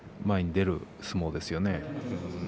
前に出る相撲ですよね。